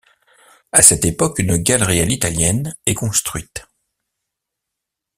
À cette époque, une galerie à l'italienne est construite.